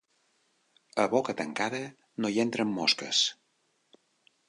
A boca tancada no hi entren mosques